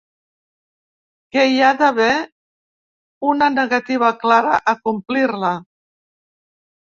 Que hi ha d’haver una negativa clara a complir-la.